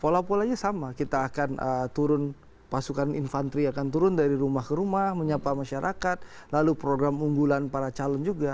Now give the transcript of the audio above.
pola polanya sama kita akan turun pasukan infanteri akan turun dari rumah ke rumah menyapa masyarakat lalu program unggulan para calon juga